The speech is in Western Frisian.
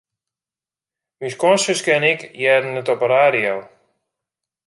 Myn skoansuske en ik hearden it op de radio.